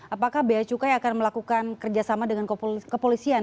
apakah bea cukai akan melakukan kerjasama dengan kepolisian